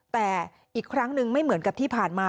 แต่อีกครั้งหนึ่งไม่เหมือนกับที่ผ่านมา